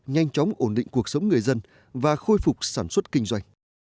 nhanh chóng ổn định cuộc sống người dân và khôi phục sản xuất kinh doanh